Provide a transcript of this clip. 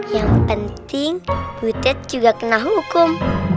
yang penting butet juga kena hukum